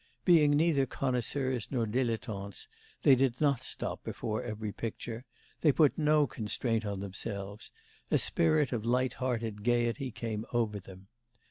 Being neither connoisseurs nor dilettantes, they did not stop before every picture; they put no constraint on themselves; a spirit of light hearted gaiety came over them.